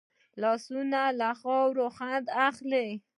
لاسونه له خاورې خوند اخلي